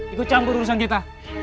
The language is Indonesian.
ikut campur urusan kita